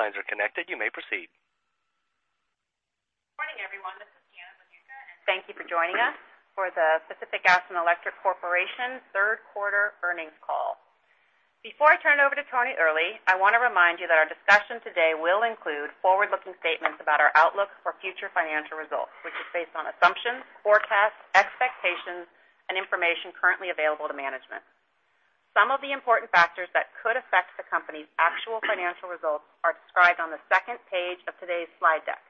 All lines are connected. You may proceed. Good morning, everyone. This is Janette Fong, thank you for joining us for the Pacific Gas and Electric Corporation third quarter earnings call. Before I turn it over to Tony Earley, I want to remind you that our discussion today will include forward-looking statements about our outlook for future financial results, which is based on assumptions, forecasts, expectations, and information currently available to management. Some of the important factors that could affect the company's actual financial results are described on the second page of today's slide deck.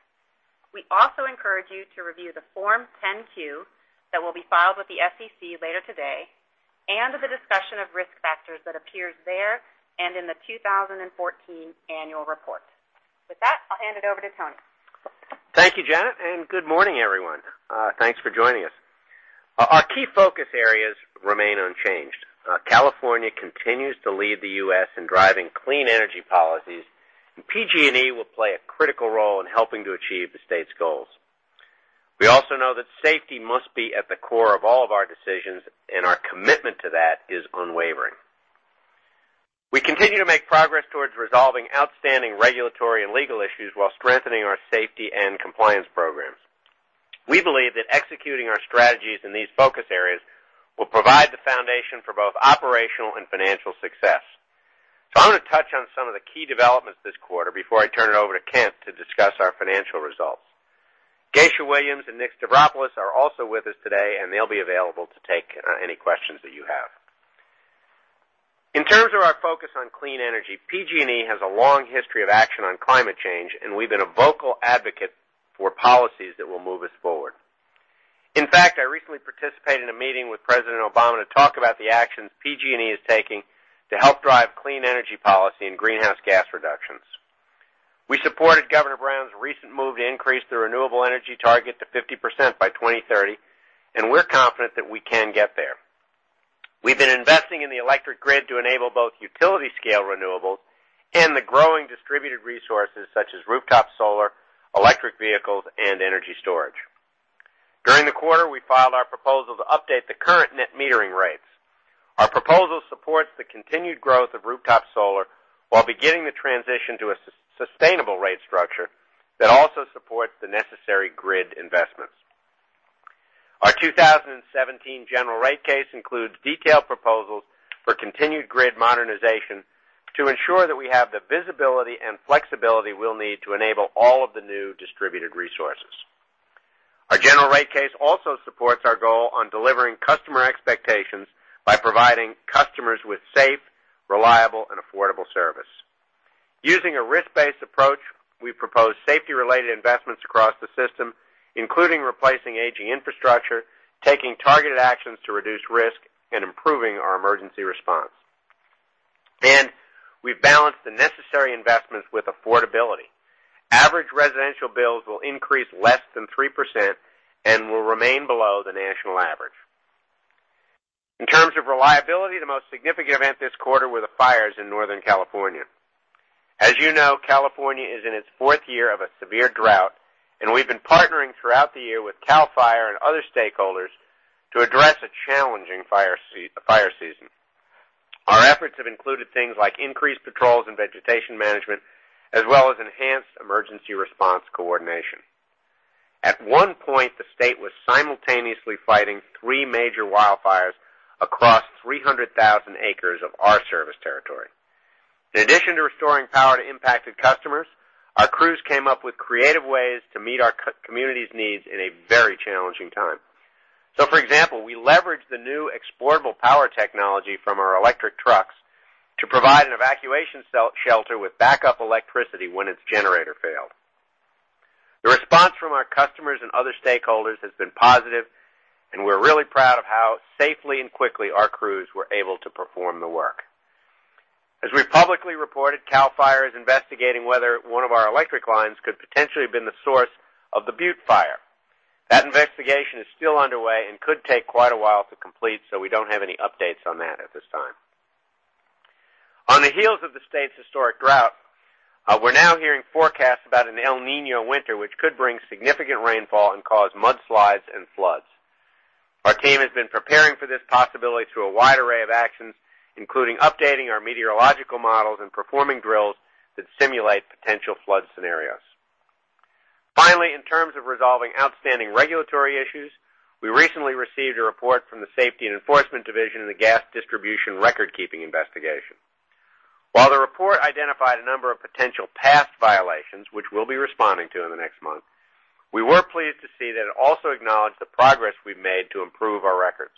We also encourage you to review the Form 10-Q that will be filed with the SEC later today, the discussion of risk factors that appears there and in the 2014 annual report. With that, I'll hand it over to Tony. Thank you, Janette, and good morning, everyone. Thanks for joining us. Our key focus areas remain unchanged. California continues to lead the U.S. in driving clean energy policies, and PG&E will play a critical role in helping to achieve the state's goals. We also know that safety must be at the core of all of our decisions, and our commitment to that is unwavering. We continue to make progress towards resolving outstanding regulatory and legal issues while strengthening our safety and compliance programs. We believe that executing our strategies in these focus areas will provide the foundation for both operational and financial success. I'm going to touch on some of the key developments this quarter before I turn it over to Kent to discuss our financial results. Geisha Williams and Nick Stavropoulos are also with us today, and they'll be available to take any questions that you have. In terms of our focus on clean energy, PG&E has a long history of action on climate change, and we've been a vocal advocate for policies that will move us forward. In fact, I recently participated in a meeting with President Obama to talk about the actions PG&E is taking to help drive clean energy policy and greenhouse gas reductions. We supported Governor Brown's recent move to increase the renewable energy target to 50% by 2030, and we're confident that we can get there. We've been investing in the electric grid to enable both utility-scale renewables and the growing distributed resources such as rooftop solar, electric vehicles, and energy storage. During the quarter, we filed our proposal to update the current net metering rates. Our proposal supports the continued growth of rooftop solar while beginning the transition to a sustainable rate structure that also supports the necessary grid investments. Our 2017 general rate case includes detailed proposals for continued grid modernization to ensure that we have the visibility and flexibility we'll need to enable all of the new distributed resources. Our general rate case also supports our goal on delivering customer expectations by providing customers with safe, reliable, and affordable service. Using a risk-based approach, we propose safety-related investments across the system, including replacing aging infrastructure, taking targeted actions to reduce risk, and improving our emergency response. We've balanced the necessary investments with affordability. Average residential bills will increase less than 3% and will remain below the national average. In terms of reliability, the most significant event this quarter were the fires in Northern California. As you know, California is in its fourth year of a severe drought, and we've been partnering throughout the year with CAL FIRE and other stakeholders to address a challenging fire season. Our efforts have included things like increased patrols and vegetation management, as well as enhanced emergency response coordination. At one point, the state was simultaneously fighting three major wildfires across 300,000 acres of our service territory. In addition to restoring power to impacted customers, our crews came up with creative ways to meet our community's needs in a very challenging time. For example, we leveraged the new exportable power technology from our electric trucks to provide an evacuation shelter with backup electricity when its generator failed. The response from our customers and other stakeholders has been positive, and we're really proud of how safely and quickly our crews were able to perform the work. As we've publicly reported, CAL FIRE is investigating whether one of our electric lines could potentially have been the source of the Butte Fire. That investigation is still underway and could take quite a while to complete, so we don't have any updates on that at this time. On the heels of the state's historic drought, we're now hearing forecasts about an El Niño winter, which could bring significant rainfall and cause mudslides and floods. Our team has been preparing for this possibility through a wide array of actions, including updating our meteorological models and performing drills that simulate potential flood scenarios. Finally, in terms of resolving outstanding regulatory issues, we recently received a report from the Safety and Enforcement Division on the gas distribution record-keeping investigation. While the report identified a number of potential past violations, which we'll be responding to in the next month, we were pleased to see that it also acknowledged the progress we've made to improve our records.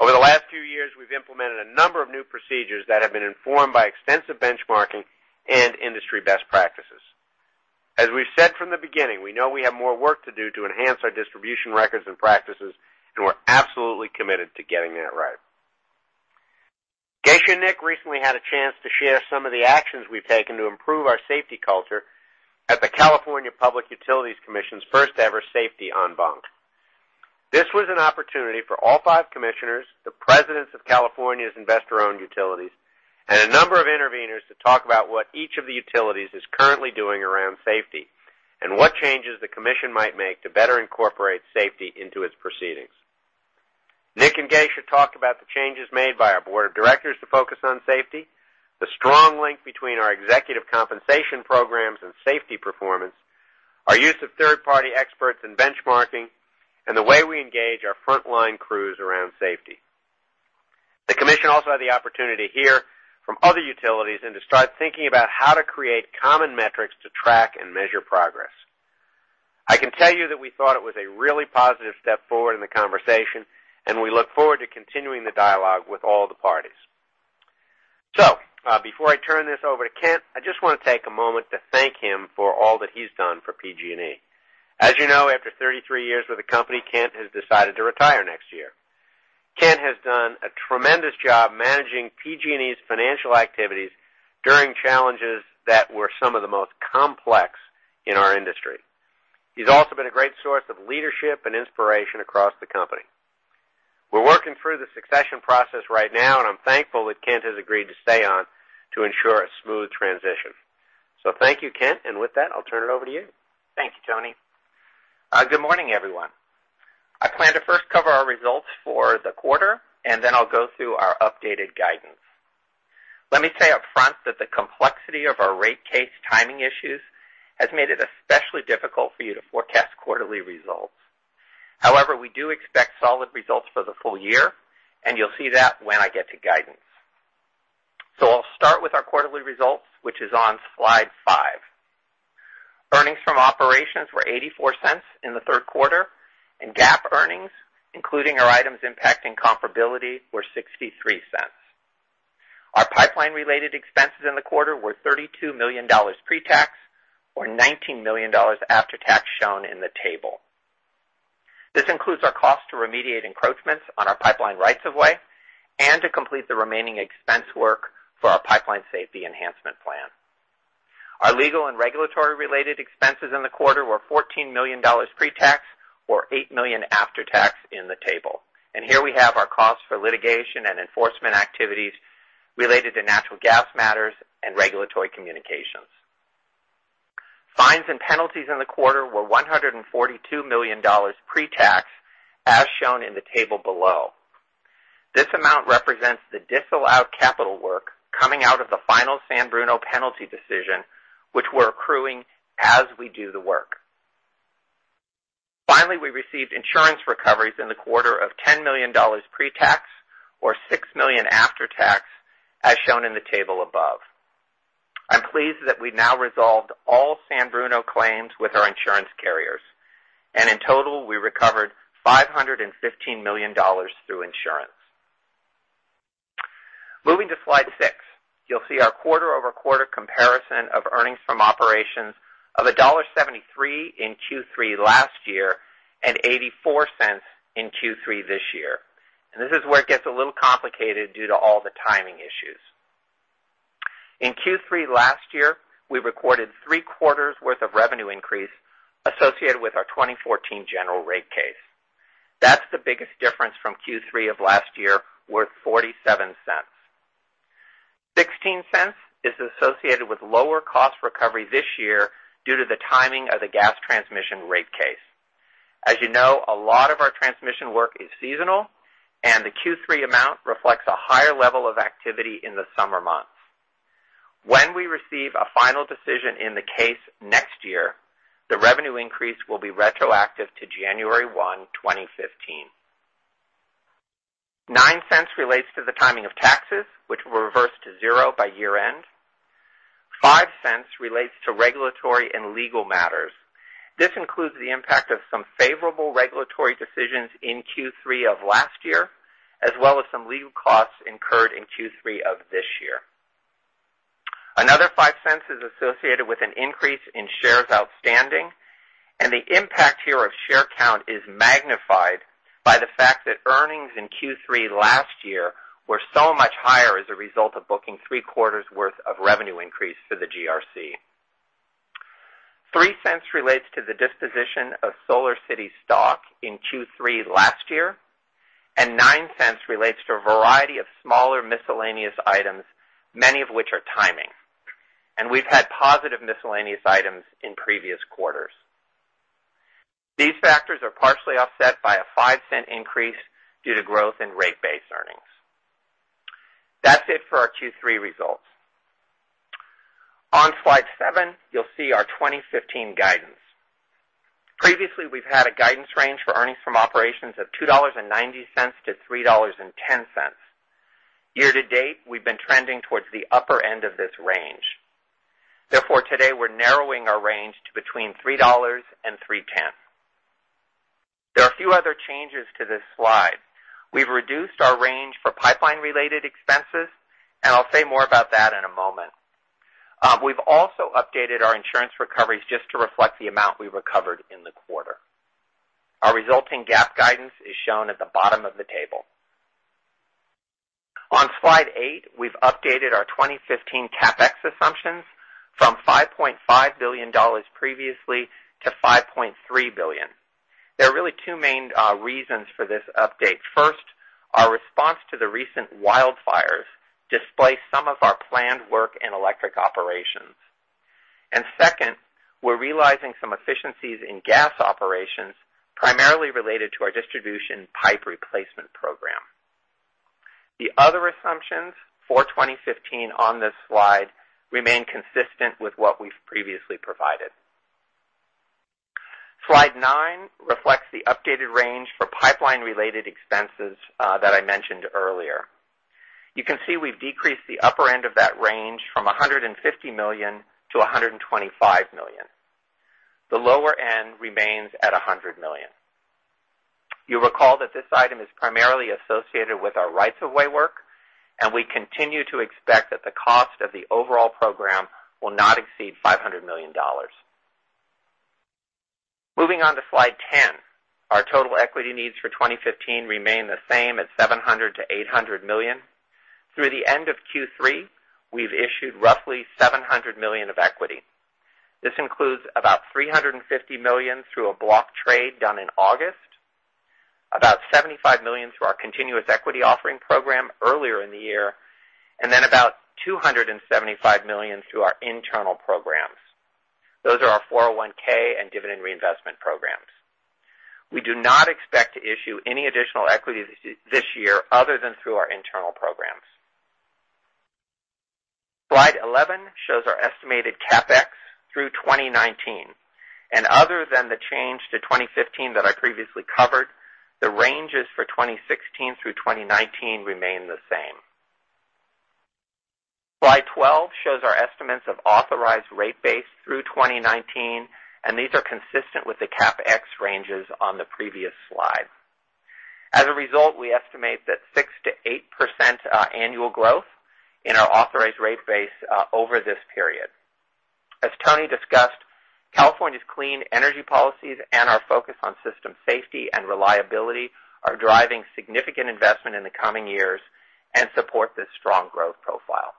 Over the last few years, we've implemented a number of new procedures that have been informed by extensive benchmarking and industry best practices. As we've said from the beginning, we know we have more work to do to enhance our distribution records and practices, and we're absolutely committed to getting that right. Geisha and Nick recently had a chance to share some of the actions we've taken to improve our safety culture at the California Public Utilities Commission's first-ever Safety En Banc. This was an opportunity for all five commissioners, the presidents of California's investor-owned utilities, and a number of interveners to talk about what each of the utilities is currently doing around safety and what changes the commission might make to better incorporate safety into its proceedings. Nick and Geisha talked about the changes made by our board of directors to focus on safety, the strong link between our executive compensation programs and safety performance, our use of third-party experts in benchmarking, and the way we engage our frontline crews around safety. The commission also had the opportunity to hear from other utilities and to start thinking about how to create common metrics to track and measure progress. I can tell you that we thought it was a really positive step forward in the conversation, and we look forward to continuing the dialogue with all the parties. Before I turn this over to Kent, I just want to take a moment to thank him for all that he's done for PG&E. As you know, after 33 years with the company, Kent has decided to retire next year. Kent has done a tremendous job managing PG&E's financial activities during challenges that were some of the most complex in our industry. He's also been a great source of leadership and inspiration across the company. We're working through the succession process right now, and I'm thankful that Kent has agreed to stay on to ensure a smooth transition. Thank you, Kent, and with that, I'll turn it over to you. Thank you, Tony. Good morning, everyone. I plan to first cover our results for the quarter, and then I'll go through our updated guidance. Let me say upfront that the complexity of our rate case timing issues has made it especially difficult for you to forecast quarterly results. However, we do expect solid results for the full year, and you'll see that when I get to guidance. I'll start with our quarterly results, which is on slide five. Earnings from operations were $0.84 in the third quarter, and GAAP earnings, including our items impacting comparability, were $0.63. Our pipeline-related expenses in the quarter were $32 million pre-tax or $19 million after tax shown in the table. This includes our cost to remediate encroachments on our pipeline rights of way and to complete the remaining expense work for our Pipeline Safety Enhancement Plan. Our legal and regulatory-related expenses in the quarter were $14 million pre-tax or eight million after tax in the table. Here we have our cost for litigation and enforcement activities related to natural gas matters and regulatory communications. Fines and penalties in the quarter were $142 million pre-tax, as shown in the table below. This amount represents the disallowed capital work coming out of the final San Bruno penalty Decision, which we're accruing as we do the work. Finally, we received insurance recoveries in the quarter of $10 million pre-tax or six million after tax, as shown in the table above. I'm pleased that we've now resolved all San Bruno claims with our insurance carriers. In total, we recovered $515 million through insurance. Moving to slide six, you'll see our quarter-over-quarter comparison of earnings from operations of $1.73 in Q3 last year and $0.84 in Q3 this year. This is where it gets a little complicated due to all the timing issues. In Q3 last year, we recorded three quarters worth of revenue increase associated with our 2014 general rate case. That's the biggest difference from Q3 of last year, worth $0.47. $0.16 is associated with lower cost recovery this year due to the timing of the gas transmission rate case. As you know, a lot of our transmission work is seasonal, and the Q3 amount reflects a higher level of activity in the summer months. When we receive a final decision in the case next year, the revenue increase will be retroactive to January 1, 2015. $0.09 relates to the timing of taxes, which will reverse to zero by year-end. $0.05 relates to regulatory and legal matters. This includes the impact of some favorable regulatory decisions in Q3 of last year, as well as some legal costs incurred in Q3 of this year. Another $0.05 is associated with an increase in shares outstanding, and the impact here of share count is magnified by the fact that earnings in Q3 last year were so much higher as a result of booking three quarters worth of revenue increase to the GRC. $0.03 relates to the disposition of SolarCity stock in Q3 last year, and $0.09 relates to a variety of smaller miscellaneous items, many of which are timing. We've had positive miscellaneous items in previous quarters. These factors are partially offset by a $0.05 increase due to growth in rate-based earnings. That's it for our Q3 results. On slide seven, you'll see our 2015 guidance. Previously, we've had a guidance range for earnings from operations of $2.90 to $3.10. Year-to-date, we've been trending towards the upper end of this range. Therefore, today, we're narrowing our range to between $3 and $3.10. There are a few other changes to this slide. We've reduced our range for pipeline-related expenses, and I'll say more about that in a moment. We've also updated our insurance recoveries just to reflect the amount we recovered in the quarter. Our resulting GAAP guidance is shown at the bottom of the table. On slide eight, we've updated our 2015 CapEx assumptions from $5.5 billion previously to $5.3 billion. There are really two main reasons for this update. First, our response to the recent wildfires displaced some of our planned work and electric operations. Second, we're realizing some efficiencies in gas operations, primarily related to our distribution pipe replacement program. The other assumptions for 2015 on this slide remain consistent with what we've previously provided. Slide nine reflects the updated range for pipeline-related expenses that I mentioned earlier. You can see we've decreased the upper end of that range from $150 million to $125 million. The lower end remains at $100 million. You'll recall that this item is primarily associated with our rights-of-way work, and we continue to expect that the cost of the overall program will not exceed $500 million. Moving on to slide 10. Our total equity needs for 2015 remain the same at $700 million to $800 million. Through the end of Q3, we've issued roughly $700 million of equity. This includes about $350 million through a block trade done in August, about $75 million through our continuous equity offering program earlier in the year, about $275 million through our internal programs. Those are our 401(k) and dividend reinvestment programs. We do not expect to issue any additional equity this year other than through our internal programs. Slide 11 shows our estimated CapEx through 2019. Other than the change to 2015 that I previously covered, the ranges for 2016 through 2019 remain the same. Slide 12 shows our estimates of authorized rate base through 2019. These are consistent with the CapEx ranges on the previous slide. As a result, we estimate that 6%-8% annual growth in our authorized rate base over this period. As Tony discussed, California's clean energy policies and our focus on system safety and reliability are driving significant investment in the coming years and support this strong growth profile.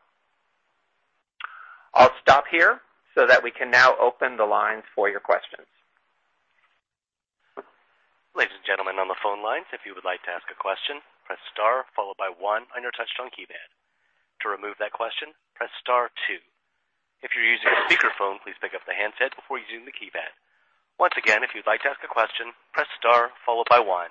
I'll stop here so that we can now open the lines for your questions. Ladies and gentlemen on the phone lines, if you would like to ask a question, press star followed by one on your touch-tone keypad. To remove that question, press star two. If you're using a speakerphone, please pick up the handset before using the keypad. Once again, if you'd like to ask a question, press star followed by one.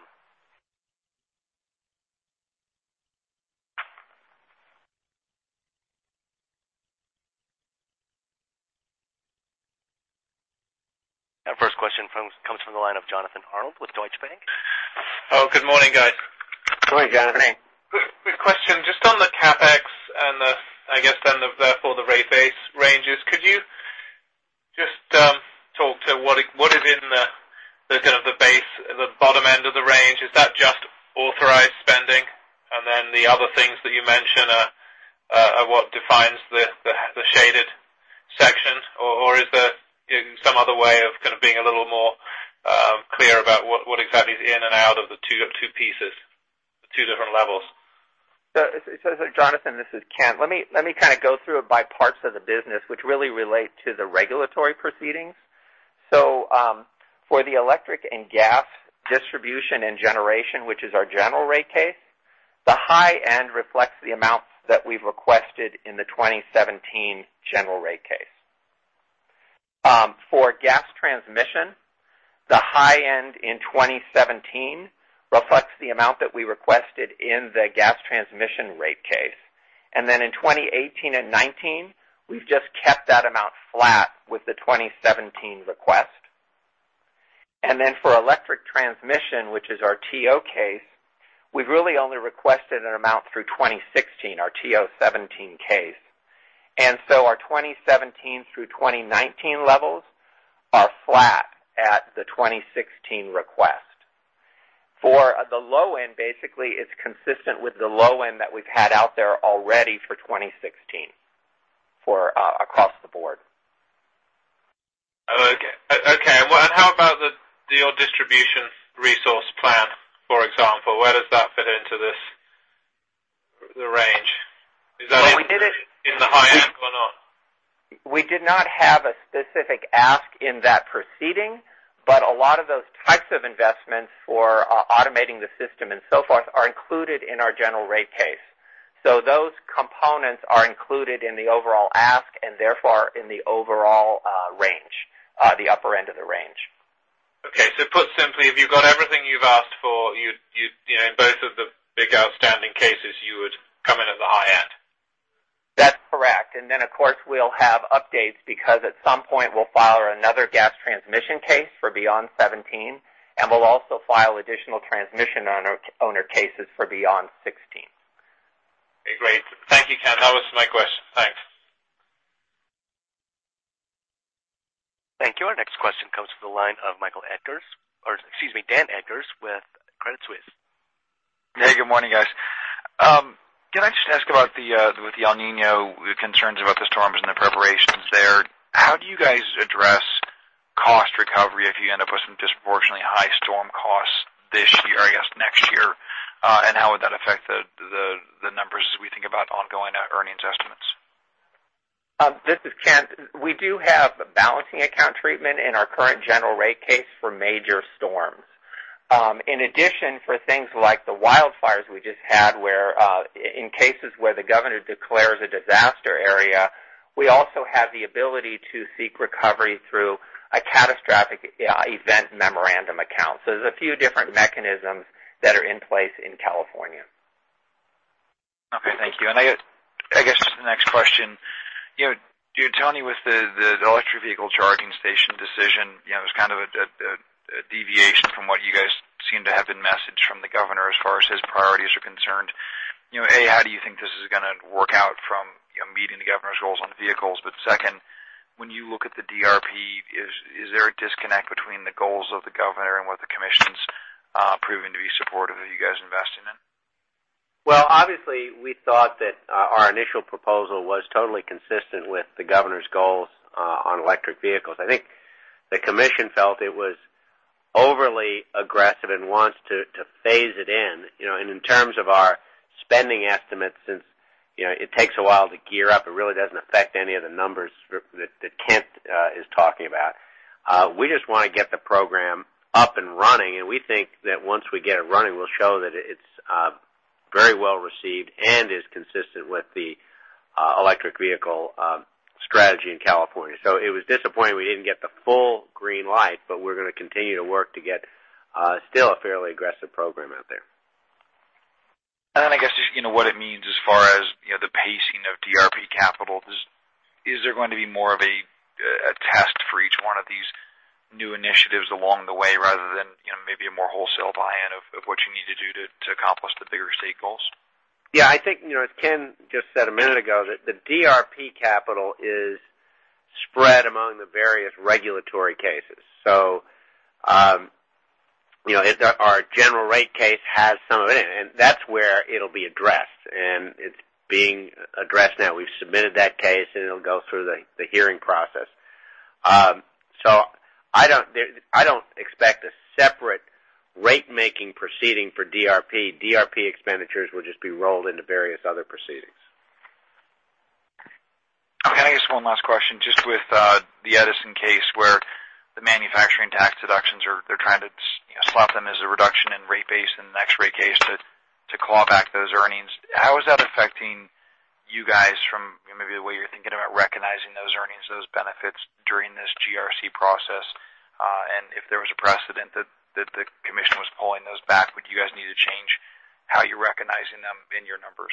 Our first question comes from the line of Jonathan Arnold with Deutsche Bank. Oh, good morning, guys. Good morning, Jonathan. Quick question. Just on the CapEx and, I guess, therefore, the rate base ranges, could you just talk to what is in the base, the bottom end of the range? Is that just authorized spending, and then the other things that you mentioned are what defines the shaded section? Or is there some other way of being a little more clear about what exactly is in and out of the two pieces, the two different levels? Jonathan, this is Kent. Let me kind of go through it by parts of the business, which really relate to the regulatory proceedings. For the electric and gas distribution and generation, which is our general rate case, the high end reflects the amounts that we've requested in the 2017 general rate case. For gas transmission, the high end in 2017 reflects the amount that we requested in the gas transmission rate case. Then in 2018 and 2019, we've just kept that amount flat with the 2017 request. Then for electric transmission, which is our TO case, we've really only requested an amount through 2016, our TO17 case. Our 2017 through 2019 levels are flat at the 2016 request. For the low end, basically, it's consistent with the low end that we've had out there already for 2016 for across the board. Okay. How about the distribution resource plan, for example? Where does that fit into this range? Is that in the high end or not? We did not have a specific ask in that proceeding, a lot of those types of investments for automating the system and so forth are included in our general rate case. Those components are included in the overall ask and therefore in the overall range, the upper end of the range. Okay. Put simply, if you've got everything you've asked for in both of the big outstanding cases, you would come in at the high end? That's correct. Then, of course, we'll have updates because at some point, we'll file another gas transmission case for beyond 2017, and we'll also file additional transmission owner cases for beyond 2016. Great. Thank you, Kent. That was my question. Thanks. Thank you. Our next question comes from the line of Dan Eggers, or excuse me, Dan Eggers with Credit Suisse. Hey, good morning, guys. Can I just ask about with the El Niño concerns about the storms and the preparations there? How do you guys address cost recovery if you end up with some disproportionately high storm costs this year, I guess, next year? How would that affect the numbers as we think about ongoing earnings estimates? This is Kent. We do have balancing account treatment in our current general rate case for major storms. In addition, for things like the wildfires we just had, where in cases where the governor declares a disaster area, we also have the ability to seek recovery through a Catastrophic Event Memorandum Account. There's a few different mechanisms that are in place in California. Okay, thank you. I guess just the next question, Tony, with the electric vehicle charging station decision, it was kind of a deviation from what you guys seem to have been messaged from the Governor as far as his priorities are concerned. A, how do you think this is going to work out from meeting the Governor's goals on vehicles? Second, when you look at the DRP, is there a disconnect between the goals of the Governor and what the commission's proving to be supportive of you guys investing in? Well, obviously, we thought that our initial proposal was totally consistent with the Governor's goals on electric vehicles. I think the commission felt it was overly aggressive and wants to phase it in. In terms of our spending estimates, since it takes a while to gear up, it really doesn't affect any of the numbers that Kent is talking about. We just want to get the program up and running, and we think that once we get it running, we'll show that it's very well received and is consistent with the electric vehicle strategy in California. It was disappointing we didn't get the full green light, we're going to continue to work to get still a fairly aggressive program out there. I guess, what it means as far as the pacing of DRP capital. Is there going to be more of a test for each one of these new initiatives along the way rather than maybe a more wholesale buy-in of what you need to do to accomplish the bigger state goals? Yeah, I think as Kent just said a minute ago, that the DRP capital is spread among the various regulatory cases. If our general rate case has some of it, and that's where it'll be addressed, and it's being addressed now. We've submitted that case, and it'll go through the hearing process. I don't expect a separate rate-making proceeding for DRP. DRP expenditures will just be rolled into various other proceedings. Okay. I guess one last question, just with the Edison case where the manufacturing tax deductions are, they're trying to slot them as a reduction in rate base in the next rate case to claw back those earnings. How is that affecting you guys from maybe the way you're thinking about recognizing those earnings, those benefits during this GRC process? If there was a precedent that the commission was pulling those back, would you guys need to change how you're recognizing them in your numbers?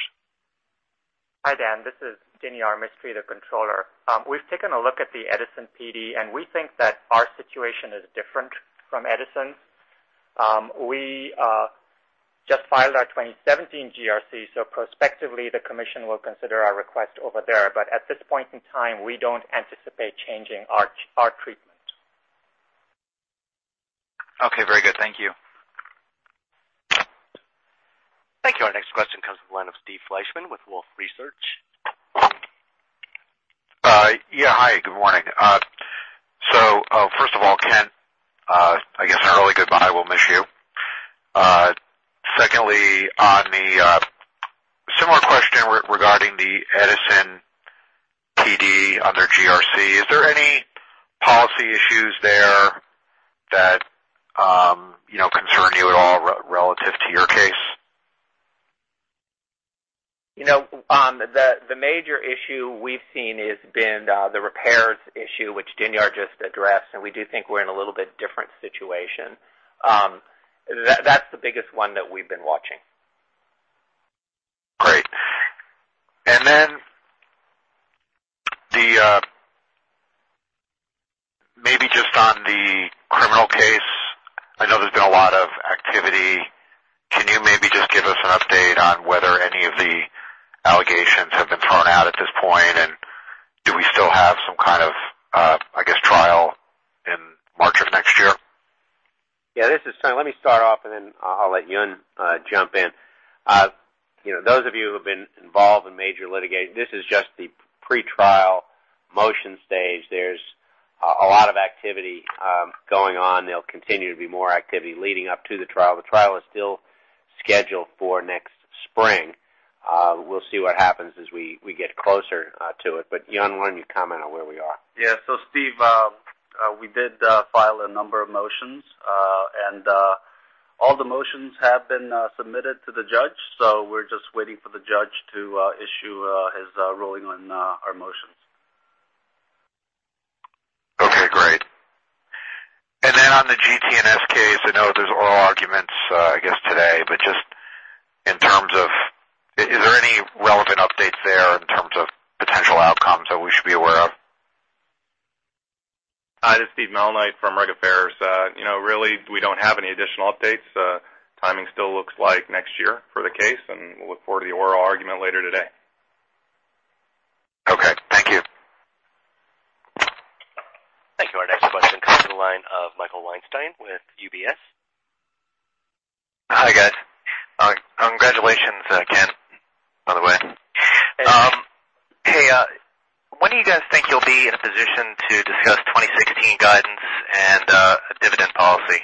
Hi, Dan, this is Dinyar Mistry, the controller. We've taken a look at the Edison PD, and we think that our situation is different from Edison's. We just filed our 2017 GRC, prospectively, the commission will consider our request over there. At this point in time, we don't anticipate changing our treatment. Okay, very good. Thank you. Thank you. Our next question comes from the line of Steve Fleishman with Wolfe Research. Yeah, hi, good morning. First of all, Kent, I guess an early goodbye. We'll miss you. Secondly, on the similar question regarding the Edison PD on their GRC, is there any policy issues there that concern you at all relative to your case? The major issue we've seen has been the repairs issue, which Dinyar just addressed, and we do think we're in a little bit different situation. That's the biggest one that we've been watching. Great. Maybe just on the criminal case, I know there's been a lot of activity. Can you maybe just give us an update on whether any of the allegations have been thrown out at this point? Do we still have some kind of, I guess, trial in March of next year? Yeah, this is Tony. Let me start off, and then I'll let Hyun jump in. Those of you who've been involved in major litigation, this is just the pretrial motion stage. There's a lot of activity going on. There'll continue to be more activity leading up to the trial. The trial is still scheduled for next spring. We'll see what happens as we get closer to it. Hyun, why don't you comment on where we are? Steve, we did file a number of motions, all the motions have been submitted to the judge. We're just waiting for the judge to issue his ruling on our motions. Okay, great. On the GT&S case, I know there's oral arguments, I guess, today. Just in terms of, is there any relevant updates there in terms of potential outcomes that we should be aware of? Hi, this is Steve Malnight from Regulatory Affairs. Really, we don't have any additional updates. Timing still looks like next year for the case, we'll look forward to the oral argument later today. Okay. Thank you. Thank you. Our next question comes from the line of Michael Weinstein with UBS. Hi, guys. Congratulations, Kent, by the way. Hey, when do you guys think you'll be in a position to discuss 2016 guidance and a dividend policy?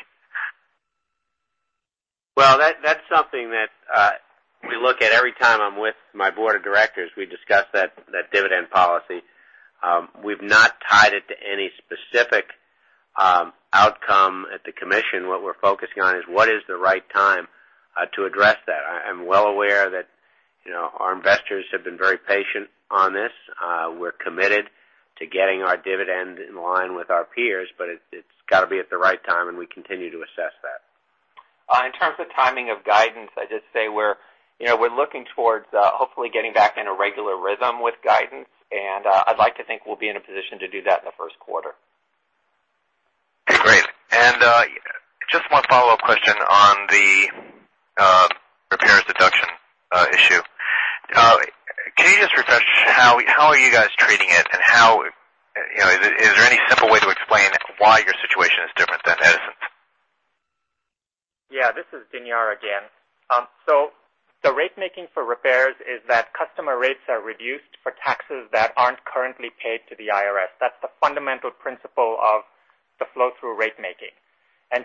Well, that's something that we look at every time I'm with my board of directors. We discuss that dividend policy. We've not tied it to any specific outcome at the commission. What we're focusing on is what is the right time to address that? I'm well aware that our investors have been very patient on this. We're committed to getting our dividend in line with our peers, but it's got to be at the right time, and we continue to assess that. In terms of timing of guidance, I'd just say we're looking towards hopefully getting back in a regular rhythm with guidance, and I'd like to think we'll be in a position to do that in the first quarter. Just one follow-up question on the repairs deduction issue. Can you just refresh how are you guys treating it and is there any simple way to explain why your situation is different than Edison's? Yeah, this is Dinyar again. The rate making for repairs is that customer rates are reduced for taxes that aren't currently paid to the IRS. That's the fundamental principle of the flow through rate making.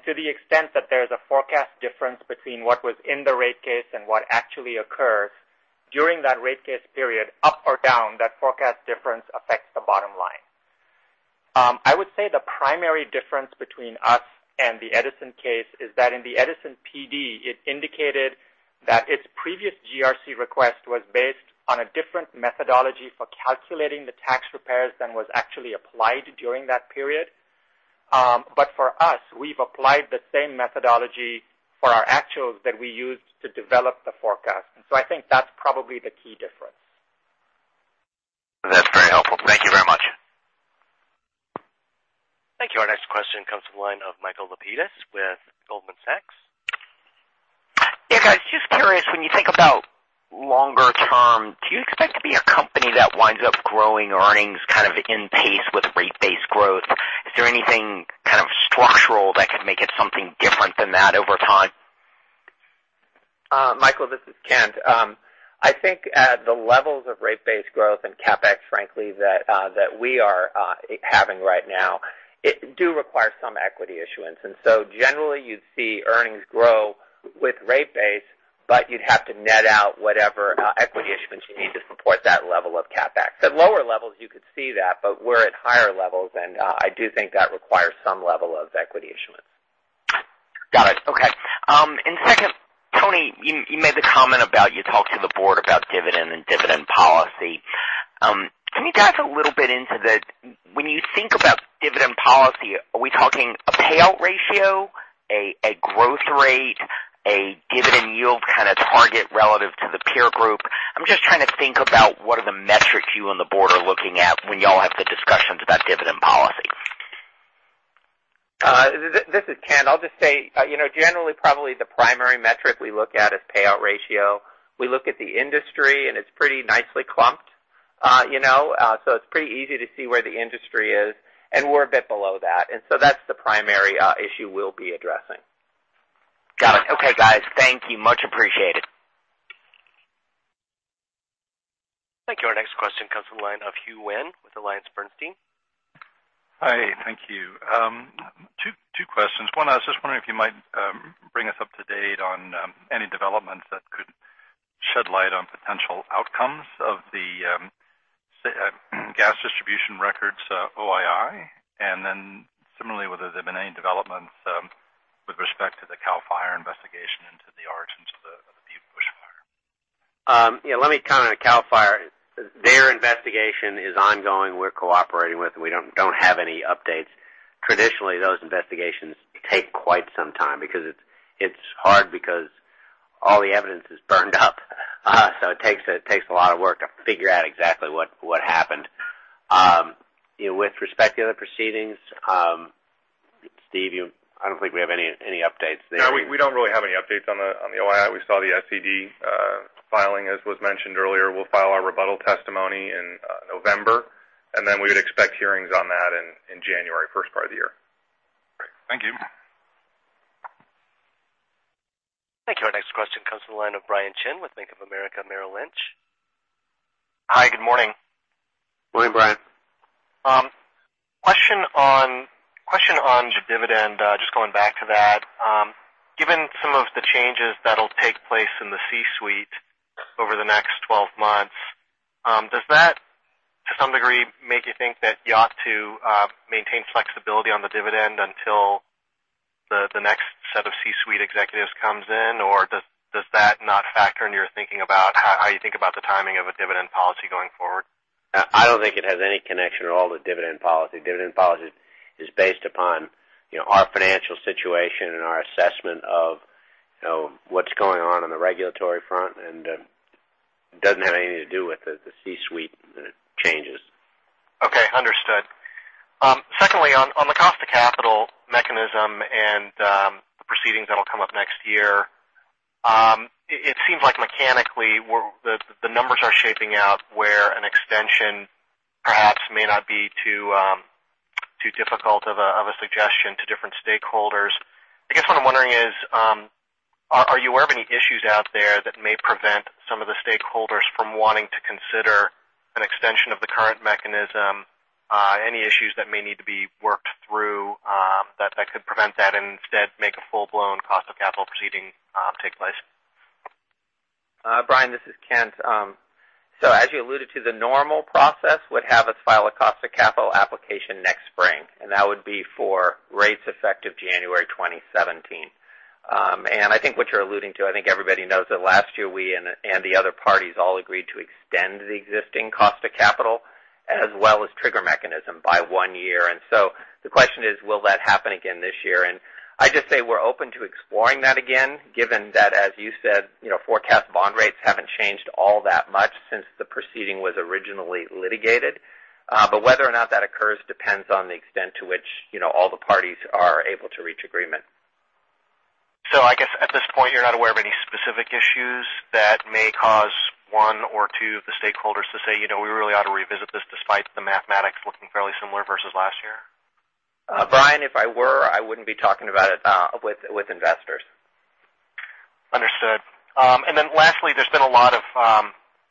To the extent that there is a forecast difference between what was in the rate case and what actually occurs during that rate case period, up or down, that forecast difference affects the bottom line. I would say the primary difference between us and the Edison case is that in the Edison PD, it indicated that its previous GRC request was based on a different methodology for calculating the tax repairs than was actually applied during that period. For us, we've applied the same methodology for our actuals that we used to develop the forecast. I think that's probably the key difference. That's very helpful. Thank you very much. Thank you. Our next question comes from the line of Michael Lapides with Goldman Sachs. Yeah, guys, just curious, when you think about longer term, do you expect to be a company that winds up growing earnings kind of in pace with rate base growth? Is there anything kind of structural that could make it something different than that over time? Michael, this is Kent. I think at the levels of rate base growth and CapEx, frankly, that we are having right now, it do require some equity issuance. Generally you'd see earnings grow with rate base, but you'd have to net out whatever equity issuance you need to support that level of CapEx. At lower levels, you could see that, We're at higher levels, I do think that requires some level of equity issuance. Got it. Okay. Second, Tony, you made the comment about you talked to the Board about dividend and dividend policy. Can you dive a little bit into that? When you think about dividend policy, are we talking a payout ratio, a growth rate, a dividend yield kind of target relative to the peer group? I'm just trying to think about what are the metrics you and the Board are looking at when y'all have the discussions about dividend policy. This is Kent. I'll just say, generally, probably the primary metric we look at is payout ratio. We look at the industry, It's pretty nicely clumped. It's pretty easy to see where the industry is, We're a bit below that. That's the primary issue we'll be addressing. Got it. Okay, guys. Thank you. Much appreciated. Thank you. Our next question comes from the line of Hugh Nguyen with AllianceBernstein. Hi. Thank you. Two questions. One, I was just wondering if you might bring us up to date on any developments that could shed light on potential outcomes of the gas distribution records OII. Similarly, whether there have been any developments with respect to the CAL FIRE investigation into the origins of the Butte Fire. Yeah, let me comment on CAL FIRE. Their investigation is ongoing. We're cooperating with it. We don't have any updates. Traditionally, those investigations take quite some time because it's hard because all the evidence is burned up. It takes a lot of work to figure out exactly what happened. With respect to the other proceedings, Steve, I don't think we have any updates there. No, we don't really have any updates on the OII. We saw the SED filing, as was mentioned earlier. We'll file our rebuttal testimony in November. Then we would expect hearings on that in January, first part of the year. Great. Thank you. Thank you. Our next question comes from the line of Brian Chin with Bank of America Merrill Lynch. Hi, good morning. Morning, Brian. Question on your dividend, just going back to that. Given some of the changes that'll take place in the C-suite over the next 12 months, does that to some degree make you think that you ought to maintain flexibility on the dividend until the next set of C-suite executives comes in? Or does that not factor into your thinking about how you think about the timing of a dividend policy going forward? I don't think it has any connection at all with dividend policy. Dividend policy is based upon our financial situation and our assessment of what's going on in the regulatory front, and it doesn't have anything to do with the C-suite changes. Okay, understood. Secondly, on the cost of capital mechanism and the proceedings that'll come up next year, it seems like mechanically the numbers are shaping out where an extension perhaps may not be too difficult of a suggestion to different stakeholders. I guess what I'm wondering is, are you aware of any issues out there that may prevent some of the stakeholders from wanting to consider an extension of the current mechanism? Any issues that may need to be worked through that could prevent that, and instead make a full-blown cost of capital proceeding take place? Brian, this is Kent. As you alluded to, the normal process would have us file a cost of capital application next spring, and that would be for rates effective January 2017. I think what you're alluding to, I think everybody knows that last year, we and the other parties all agreed to extend the existing cost of capital as well as trigger mechanism by one year. The question is: will that happen again this year? I just say we're open to exploring that again, given that, as you said, forecast bond rates haven't changed all that much since the proceeding was originally litigated. Whether or not that occurs depends on the extent to which all the parties are able to reach agreement. I guess at this point, you're not aware of any specific issues that may cause one or two of the stakeholders to say, "We really ought to revisit this despite the mathematics looking fairly similar versus last year? Brian, if I were, I wouldn't be talking about it with investors. Understood. Lastly, there's been a lot of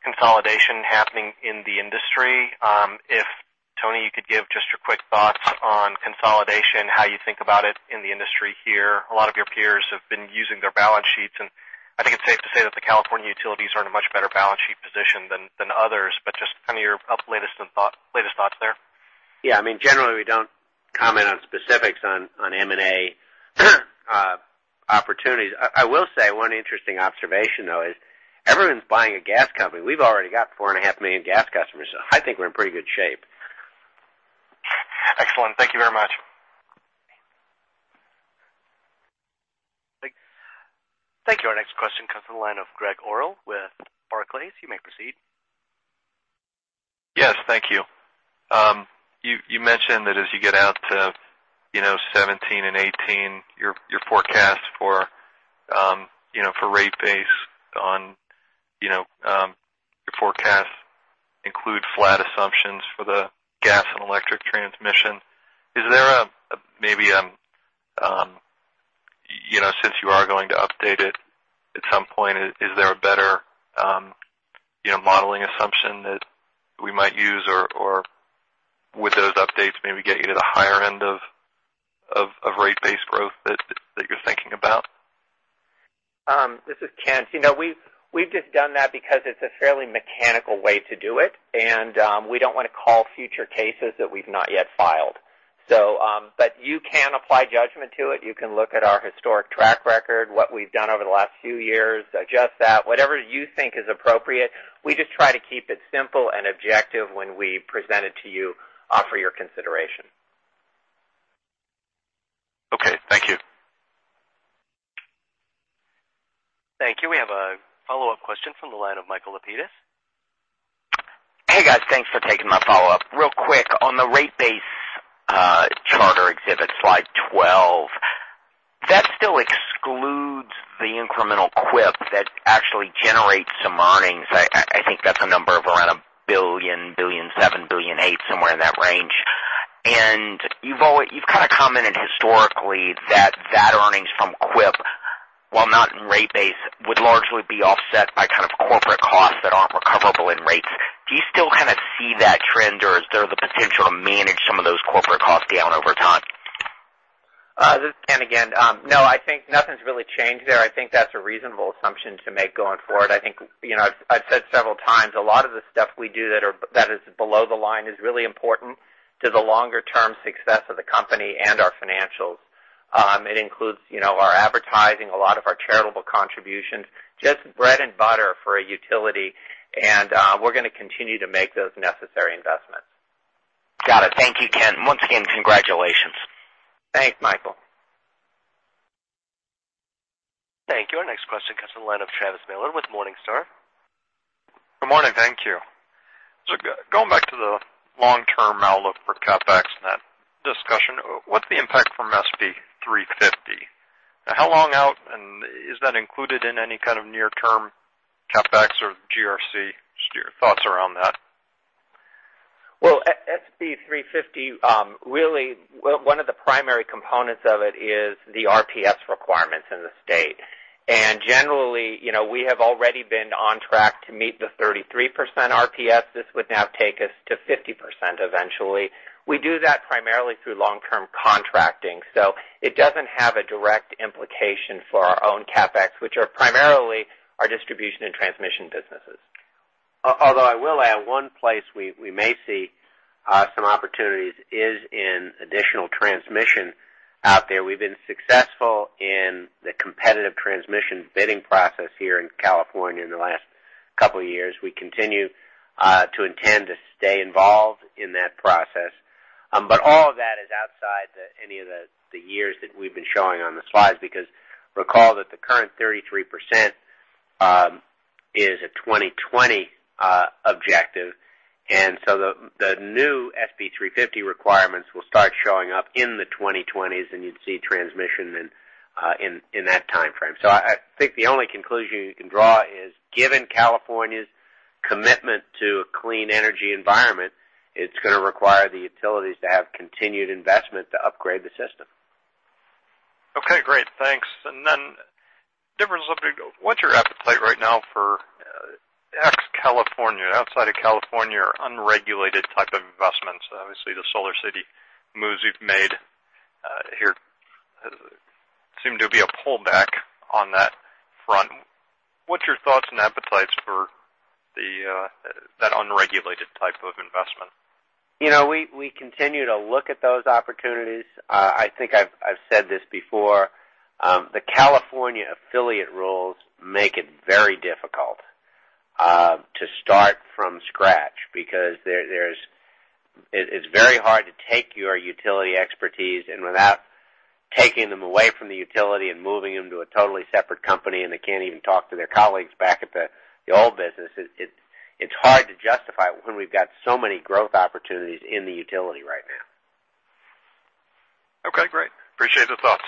consolidation happening in the industry. If, Tony, you could give just your quick thoughts on consolidation, how you think about it in the industry here. A lot of your peers have been using their balance sheets, and I think it's safe to say that the California utilities are in a much better balance sheet position than others, just kind of your latest thoughts there. Yeah. Generally, we don't comment on specifics on M&A opportunities. I will say one interesting observation, though, is everyone's buying a gas company. We've already got four and a half million gas customers, so I think we're in pretty good shape. Excellent. Thank you very much. Thank you. Our next question comes from the line of Gregg Orrill with Barclays. You may proceed. Yes, thank you. You mentioned that as you get out to 2017 and 2018, your forecast for rate base on your forecasts include flat assumptions for the gas and electric transmission. Since you are going to update it at some point, is there a better modeling assumption that we might use, or would those updates maybe get you to the higher end of rate base growth that you're thinking about? This is Kent. We've just done that because it's a fairly mechanical way to do it, we don't want to call future cases that we've not yet filed. You can apply judgment to it. You can look at our historic track record, what we've done over the last few years, adjust that, whatever you think is appropriate. We just try to keep it simple and objective when we present it to you for your consideration. Okay, thank you. Thank you. We have a follow-up question from the line of Michael Lapides. Hey, guys. Thanks for taking my follow-up. Real quick, on the rate base charter exhibit slide 12, that still excludes the incremental CWIP that actually generates some earnings. I think that's a number of around $1 billion, $1.7 billion, $1.8 billion, somewhere in that range. You've kind of commented historically that that earnings from CWIP, while not in rate base, would largely be offset by kind of corporate costs that aren't recoverable in rates. Do you still kind of see that trend, or is there the potential to manage some of those corporate costs down over time? This is Kent again. I think nothing's really changed there. I think that's a reasonable assumption to make going forward. I think I've said several times, a lot of the stuff we do that is below the line is really important to the longer-term success of the company and our financials. It includes our advertising, a lot of our charitable contributions, just bread and butter for a utility, and we're going to continue to make those necessary investments. Got it. Thank you, Kent. Once again, congratulations. Thanks, Michael. Thank you. Our next question comes to the line of Travis Miller with Morningstar. Good morning. Thank you. Going back to the long-term outlook for CapEx and that discussion, what's the impact from SB 350? How long out, and is that included in any kind of near-term CapEx or GRC? Just your thoughts around that. Well, SB 350, really, one of the primary components of it is the RPS requirements in the state. Generally, we have already been on track to meet the 33% RPS. This would now take us to 50% eventually. We do that primarily through long-term contracting, so it doesn't have a direct implication for our own CapEx, which are primarily our distribution and transmission businesses. Although I will add one place we may see some opportunities is in additional transmission out there. We've been successful in the competitive transmission bidding process here in California in the last couple of years. We continue to intend to stay involved in that process. All of that is outside any of the years that we've been showing on the slides, because recall that the current 33% is a 2020 objective, the new SB 350 requirements will start showing up in the 2020s, and you'd see transmission in that timeframe. I think the only conclusion you can draw is given California's commitment to a clean energy environment, it's going to require the utilities to have continued investment to upgrade the system. Okay, great. Thanks. Different subject. What's your appetite right now for ex-California, outside of California, or unregulated type of investments? Obviously, the SolarCity moves you've made here seem to be a pullback on that front. What's your thoughts and appetites for that unregulated type of investment? We continue to look at those opportunities. I think I've said this before. The California affiliate rules make it very difficult to start from scratch because it's very hard to take your utility expertise, and without taking them away from the utility and moving them to a totally separate company, and they can't even talk to their colleagues back at the old business. It's hard to justify when we've got so many growth opportunities in the utility right now. Okay, great. Appreciate the thoughts.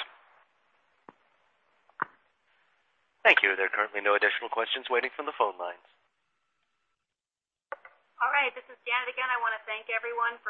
Thank you. There are currently no additional questions waiting from the phone lines. All right. This is Janette again. I want to thank everyone for.